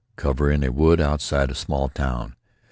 Cover in a wood outside a small town.